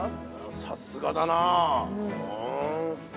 さすがだなあ。